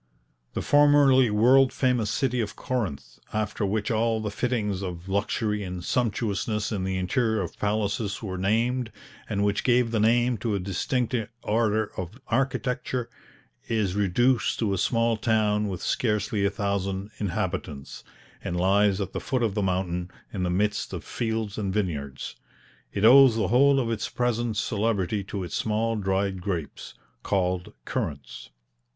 The formerly world famous city of Corinth, after which all the fittings of luxury and sumptuousness in the interior of palaces were named, and which gave the name to a distinct order of architecture, is reduced to a small town with scarcely a thousand inhabitants, and lies at the foot of the mountain, in the midst of fields and vineyards. It owes the whole of its present celebrity to its small dried grapes, called currants.